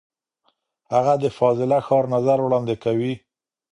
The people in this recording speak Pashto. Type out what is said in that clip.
هغه د فاضله ښار نظر وړاندې کوي.